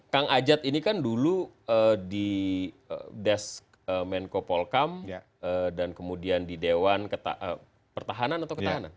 kang ajat ini kan dulu di desk menko polkam dan kemudian di dewan pertahanan atau ketahanan